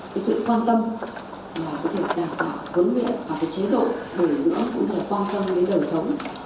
cái sự quan tâm là cái việc đạt được huấn luyện và cái chế độ đổi giữa cũng là quan tâm đến đời sống